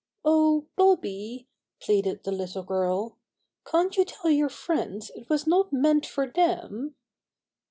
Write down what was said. ^^Oh, Bobby," pleaded the little girl, "can't you tell your friends it was not meant for them?"